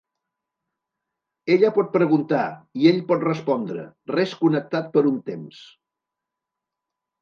Ella pot preguntar, i ell pot respondre, res connectat per un temps.